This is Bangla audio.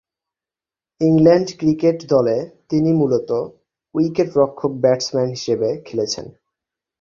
ইংল্যান্ড ক্রিকেট দলে তিনি মূলতঃ উইকেট-রক্ষক-ব্যাটসম্যান হিসেবে খেলেছেন।